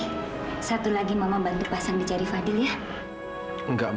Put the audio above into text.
kamu tapi bisa jauh akllingem alot